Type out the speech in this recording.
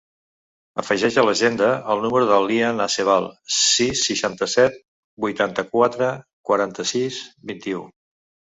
Afegeix a l'agenda el número de l'Ian Acebal: sis, seixanta-set, vuitanta-quatre, quaranta-sis, vint-i-u.